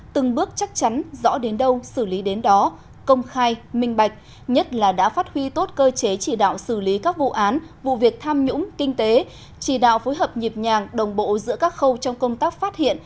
từng bước chắc chắn rõ đến đâu xử lý đến đó công khai minh bạch nhất là đã phát huy tốt cơ chế chỉ đạo xử lý các vụ án vụ việc tham nhũng kinh tế